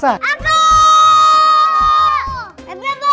siapa yang besok mau ikut puasa